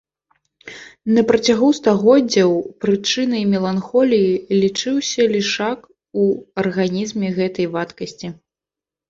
На працягу стагоддзяў прычынай меланхоліі лічыўся лішак у арганізме гэтай вадкасці.